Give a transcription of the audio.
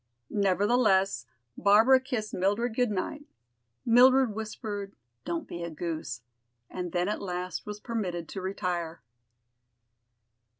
Nevertheless, Barbara kissed Mildred good night. Mildred whispered, "Don't be a goose," and then at last was permitted to retire.